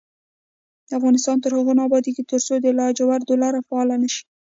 افغانستان تر هغو نه ابادیږي، ترڅو د لاجوردو لار فعاله نشي.